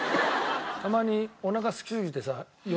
たまにおなかすきすぎてさよ